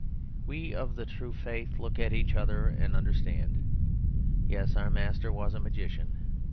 We of the true faith look at each other and understand; yes, our master was a magician.